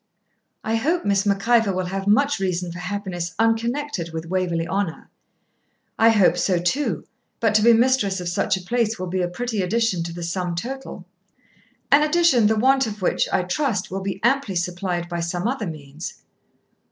'I hope Miss Mac Ivor will have much reason for happiness unconnected with Waverley Honour.' 'I hope so too; but to be mistress of such a place will be a pretty addition to the sum total.' 'An addition, the want of which, I trust, will be amply supplied by some other means.'